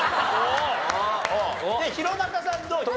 で弘中さんどう？